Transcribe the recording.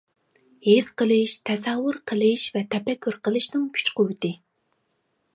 ھېس قىلىش، تەسەۋۋۇر قىلىش ۋە تەپەككۇر قىلىشنىڭ كۈچ-قۇۋۋىتى.